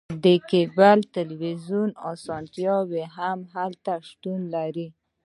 د کیبل تلویزیون اسانتیا هم هلته شتون لري